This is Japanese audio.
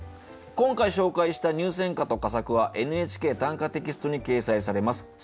今回紹介した入選歌と佳作は「ＮＨＫ短歌」テキストに掲載されます。